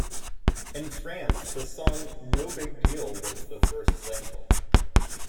In France the song "No Big Deal" was the first single.